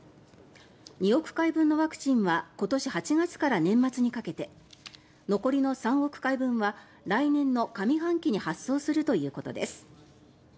２億回分のワクチンは今年８月から年末にかけて残りの３億回分は来年の上半期に発送するということです。